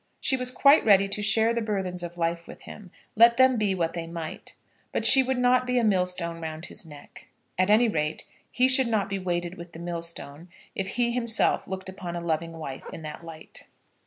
She was quite ready to share the burthens of life with him, let them be what they might; but she would not be a mill stone round his neck. At any rate, he should not be weighted with the mill stone, if he himself looked upon a loving wife in that light.